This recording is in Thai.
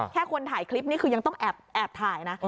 คนถ่ายคลิปนี้คือยังต้องแอบถ่ายนะ